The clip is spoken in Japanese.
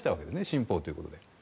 新法ということで。